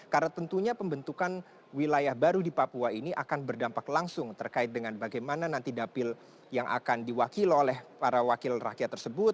karena tentunya pembentukan wilayah baru di papua ini akan berdampak langsung terkait dengan bagaimana nanti dapil yang akan diwakil oleh para wakil rakyat tersebut